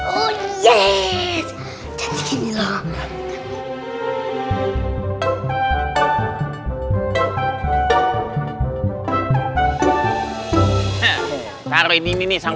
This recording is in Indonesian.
oh yes jadi gini loh